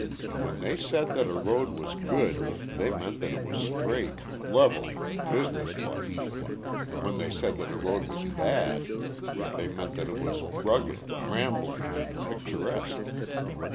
When they said that a road was good they meant that it was straight, level, and businesslike. When they said that a road was bad they meant that it was rugged, rambling and picturesque.